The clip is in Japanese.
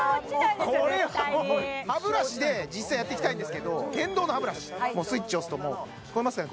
絶対歯ブラシで実際やっていきたいんですけど電動の歯ブラシスイッチ押すともう聞こえますね